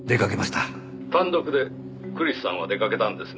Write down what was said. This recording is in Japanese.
「単独でクリスさんは出掛けたんですね？」